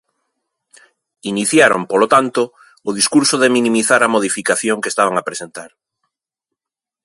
Iniciaron, polo tanto, o discurso de minimizar a modificación que estaban a presentar.